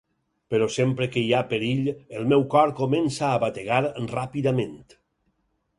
Però sempre que hi ha perill, el meu cor comença a bategar ràpidament.